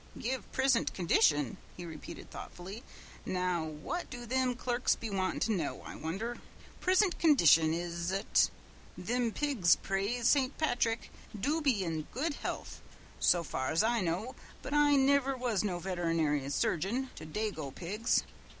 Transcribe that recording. "Give prisint condition," he repeated thoughtfully. "Now what do thim clerks be wantin' to know, I wonder! 'Prisint condition, 'is ut? Thim pigs, praise St. Patrick, do be in good health, so far as I know, but I niver was no veternairy surgeon to dago pigs.